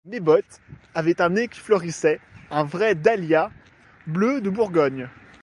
Mes-Bottes avait un nez qui fleurissait, un vrai dahlia bleu de Bourgogne.